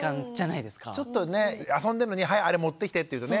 ちょっとね遊んでるのに「はいあれ持ってきて」って言うとね